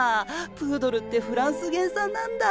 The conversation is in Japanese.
プードルってフランス原産なんだぁ。